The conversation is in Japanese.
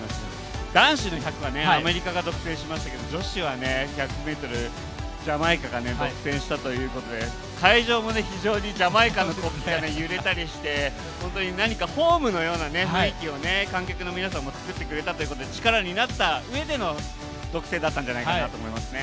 男子の１００はアメリカが独占しましたけど女子は１００ｍ、ジャマイカがね独占したということで会場も非常にジャマイカの国旗が揺れたりして何か本当に、ホームのような雰囲気を観客の皆さんがつくってくれて力になったうえでの独占だったんじゃないかと思いますね。